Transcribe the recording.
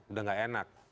udah nggak enak